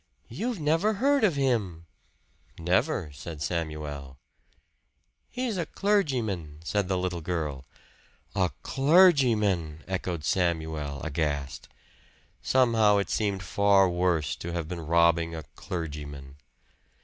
"You've never heard of him!" "Never," said Samuel. "He's a clergyman," said the little girl. "A clergyman!" echoed Samuel aghast. Somehow it seemed far worse to have been robbing a clergyman.